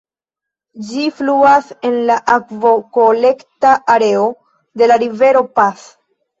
Ĝi fluas en la akvokolekta areo de la rivero Pas.